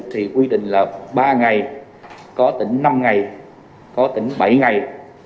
thì quy định là ba ngày có tỉnh năm ngày có tỉnh bảy ngày